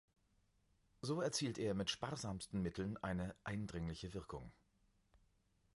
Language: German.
So erzielt er mit sparsamsten Mitteln eine eindringliche Wirkung.